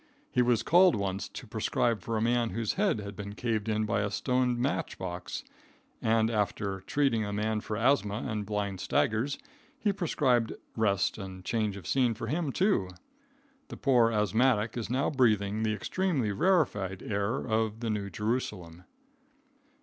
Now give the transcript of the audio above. He was called once to prescribe for a man whose head had been caved in by a stone match box, and, after treating the man for asthma and blind staggers, he prescribed rest and change of scene for him, too. The poor asthmatic is now breathing the extremely rarified air of the New Jerusalem.